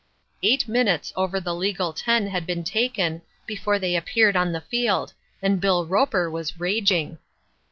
Eight minutes over the legal ten had been taken before they appeared on the field and Bill Roper was raging.